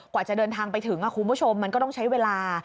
กว่าจะเดินทางไปถึงคุณผู้ชมมันก็ต้องใช้เวลา